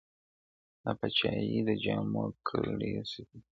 د پاچا يې د جامو كړل صفتونه.!